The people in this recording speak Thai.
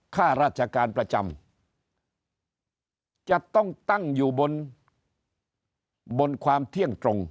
ข้าราชการประจำจะต้องตั้งอยู่บนบนความเที่ยงตรง